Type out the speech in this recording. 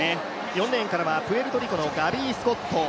４レーンからはプエルトリコのガビー・スコット。